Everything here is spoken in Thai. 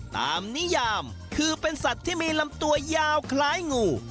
นิยามคือเป็นสัตว์ที่มีลำตัวยาวคล้ายงู